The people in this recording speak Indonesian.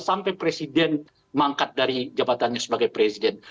sampai presiden mangkat dari jabatannya sebagai presiden